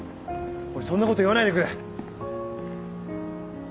そんなこと言わないでくれ。